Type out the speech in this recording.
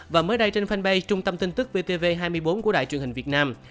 và mới đây trên fanpage trung tâm tin tức vtv hai mươi bốn của đài truyền hình việt nam